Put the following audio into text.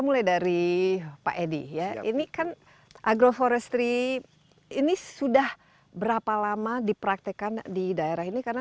mulai dari pak edi ya ini kan agroforestry ini sudah berapa lama dipraktekan di daerah ini karena